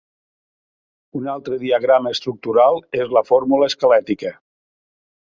Un altre diagrama estructural és la fórmula esquelètica.